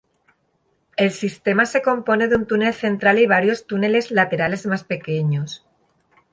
El sistema se compone de un túnel central y varios túneles laterales más pequeños.